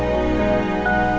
patutlah nelayan apa itu